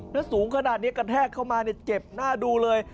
แล้วสูงขนาดนี้กระแทกเข้ามาเจ็บหน้าดูเลย